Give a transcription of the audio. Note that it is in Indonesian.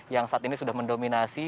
yang saat ini sudah mendominasi